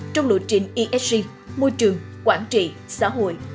trong lộ trình esg môi trường quản trị xã hội